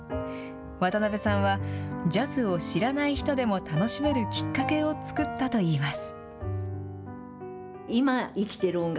渡辺さんは、ジャズを知らない人でも楽しめるきっかけを作ったといいます。